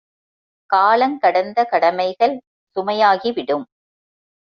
காலங்கடந்த கடமைகள் சுமையாகி விடும்.